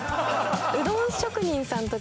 うどん職人さんとか。